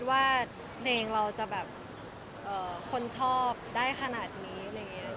ว่าเพลงเราจะแบบคนชอบได้ขนาดนี้อะไรอย่างนี้